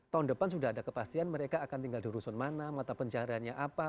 tahun depan sudah ada kepastian mereka akan tinggal di rusun mana mata pencariannya apa